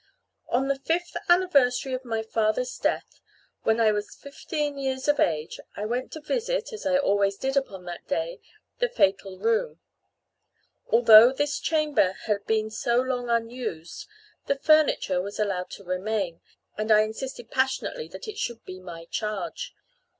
On the fifth anniversary of my father's death, when I was fifteen years of age, I went to visit (as I always did upon that day) the fatal room. Although this chamber had been so long unused, the furniture was allowed to remain; and I insisted passionately that it should be my charge.